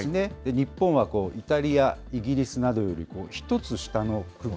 日本はイタリア、イギリスなどより１つ下の区分。